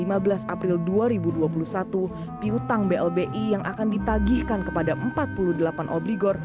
pada lima belas april dua ribu dua puluh satu piutang blbi yang akan ditagihkan kepada empat puluh delapan obligor